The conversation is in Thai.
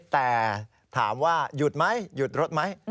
แต่ถามว่าหยุดไหมหยุดรถไหม